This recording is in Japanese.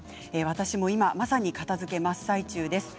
私も今まさに片づけ真っ最中です。